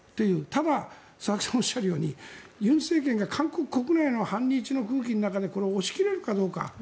ただ、佐々木さんがおっしゃるように尹政権が韓国国内の反日の空気の中でこれを押し切れるかどうか。